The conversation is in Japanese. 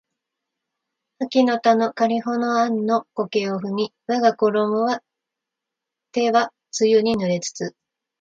秋の田のかりほの庵の苫を荒みわがころも手は露に濡れつつ